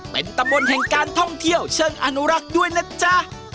เป็นตำบลแห่งการท่องเที่ยวเชิงอนุรักษ์ด้วยนะจ๊ะ